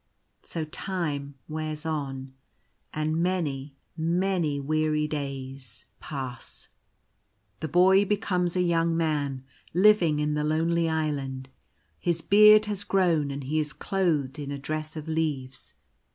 So time wears on, and many, many weary days N 90 Watching for a Ship. pass. The Boy becomes a young Man, living in. the lonely island ; his beard has grown, and he is clothed in a dress of leaves.